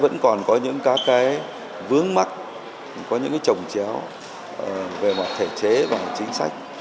vẫn còn có những các cái vướng mắt có những cái trồng chéo về mặt thể chế và chính sách